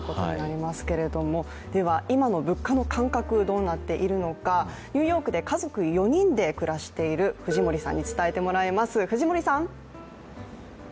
では、今の物価の感覚、どうなっているのかニューヨークで家族４人で暮らしている藤森さんに伝えてもらいます。